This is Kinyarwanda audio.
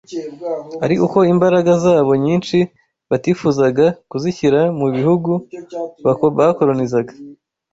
ari uko imbaraga zabo nyinshi batifuzaga kuzishyira mu bihugu bakolonizaga